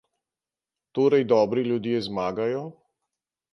Torej dobri ljudje zmagajo?